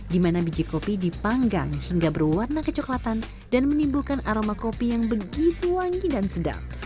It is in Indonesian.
di mana biji kopi dipanggang hingga berwarna kecoklatan dan menimbulkan aroma kopi yang begitu wangi dan sedap